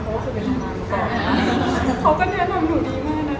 คุณหมายถึงปกติสัมพันธ์แล้วก็